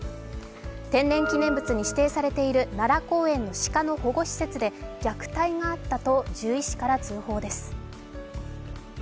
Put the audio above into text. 天然記念物に指定されている奈良公園の鹿について虐待があったと獣医師から報告です。